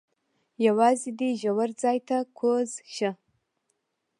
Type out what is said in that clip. یوازې دې ژور ځای ته کوز شه.